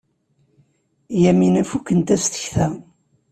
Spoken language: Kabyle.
Yamina fukent-as tekta.